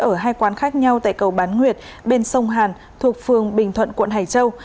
ở hai quán khác nhau tại cầu bán nguyệt bên sông hàn thuộc phường bình thuận quận hải châu